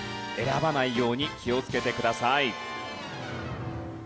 選ばないように気をつけてください。